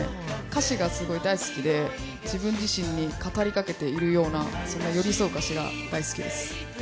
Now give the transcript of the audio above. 歌詞がすごい大好きで自分自身に語りかけているようなそんな寄り添う歌詞が大好きです。